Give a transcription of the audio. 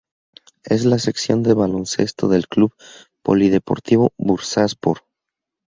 Es la sección de baloncesto del club polideportivo Bursaspor.